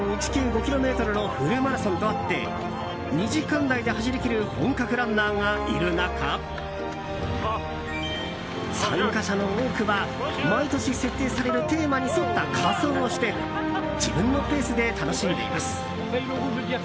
ｋｍのフルマラソンとあって２時間台で走り切る本格ランナーがいる中参加者の多くは毎年設定されるテーマに沿った仮装をして自分のペースで楽しんでいます。